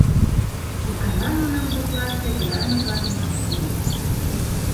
Икана нунын коклаште тыгай мутланымаш лийын.